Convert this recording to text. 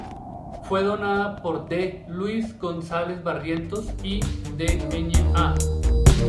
Fue donada por D. Luis González Barrientos y Dña.